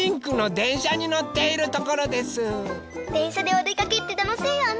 でんしゃでおでかけってたのしいよね。